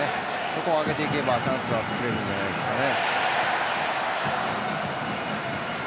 そこを上げていけばチャンスは作れるんじゃないですかね。